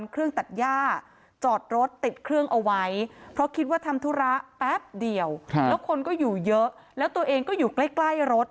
คนตกใจกันใหญ่เลยค่ะ